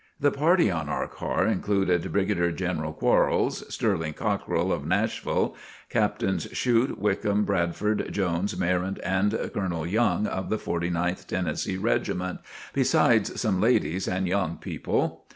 The party on our car included Brigadier General Quarles, Sterling Cockrill, of Nashville, Captains Shute, Wickham, Bradford, Jones, Mayrant and Colonel Young of the Forty ninth Tennessee Regiment, besides some ladies and young people.